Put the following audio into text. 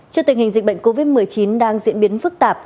trước tình hình dịch bệnh covid một mươi chín đang diễn biến phức tạp